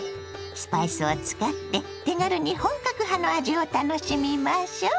スパイスを使って手軽に本格派の味を楽しみましょう。